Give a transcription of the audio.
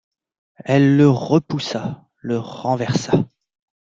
Elle le repoussa, le renversa.